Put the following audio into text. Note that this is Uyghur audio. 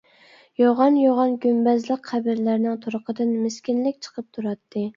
يوغان-يوغان گۈمبەزلىك قەبرىلەرنىڭ تۇرقىدىن مىسكىنلىك چىقىپ تۇراتتى.